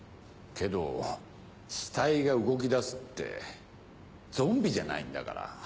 けど死体が動き出すってゾンビじゃないんだから。